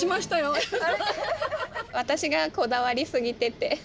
私がこだわりすぎてて。